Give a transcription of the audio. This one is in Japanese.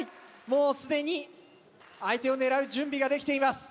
もうすでに相手を狙う準備ができています。